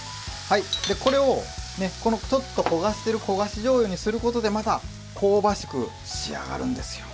これを、ちょっと焦がしてる焦がしじょうゆにすることでまた香ばしく仕上がるんですよ。